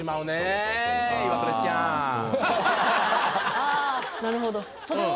ああなるほど。